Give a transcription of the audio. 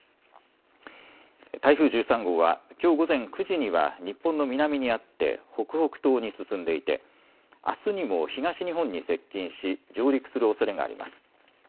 台風１３号はきょう午前９時には日本の南にあって北北東に進んでいてあすにも東日本に接近し上陸するおそれがあります。